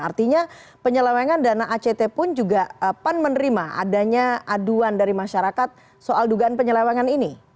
artinya penyelewengan dana act pun juga pan menerima adanya aduan dari masyarakat soal dugaan penyelewengan ini